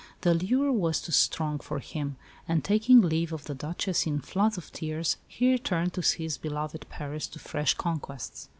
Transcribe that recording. The lure was too strong for him; and, taking leave of the Duchess in floods of tears, he returned to his beloved Paris to fresh conquests.